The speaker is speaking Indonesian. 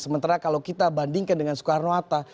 sementara kalau kita bandingkan dengan soekarno hatta